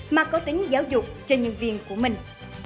mà có tính giáo dục cho nhân viên của mình